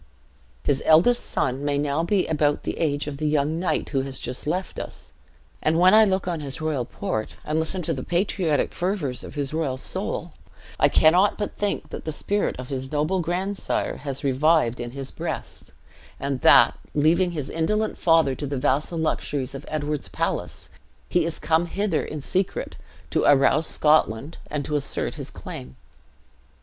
"His eldest son may be now about the age of the young knight who has just left us; and when I look on his royal port, and listen to the patriotic fervors of his royal soul, I cannot but think that the spirit of his noble grandsire has revived in his breast, and that, leaving his indolent father to the vassal luxuries of Edward's palace, he is come hither in secret, to arouse Scotland, and to assert his claim."